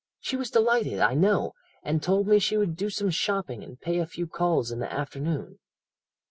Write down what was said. She was delighted, I know, and told me she would do some shopping, and pay a few calls in the afternoon.'